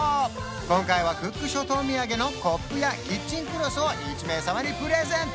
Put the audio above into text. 今回はクック諸島土産のコップやキッチンクロスを１名様にプレゼント！